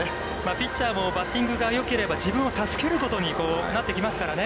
ピッチャーもバッティングがよければ、自分を助けることになってきますからね。